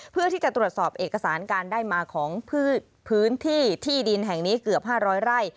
เพื่อที่จะตรวจสอบเอกสารการได้มาของพื้นที่ที่ดินแห่งนี้เกือบ๕๐๐ไร่